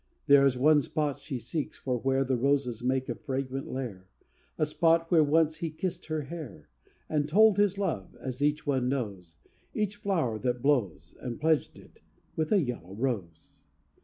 There is one spot she seeks for where The roses make a fragrant lair, A spot where once he kissed her hair, And told his love, as each one knows, Each flower that blows, And pledged it with a yellow rose.